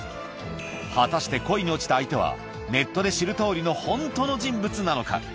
果たして恋に落ちた相手は、ネットで知るとおりの本当の人物なのか。